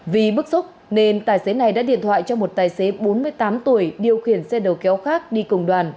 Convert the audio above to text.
vì bức xúc nên tài xế này đã điện thoại cho một tài xế bốn mươi tám tuổi điều khiển xe đầu kéo khác đi cùng đoàn